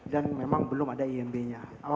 dan memang belum ada imb nya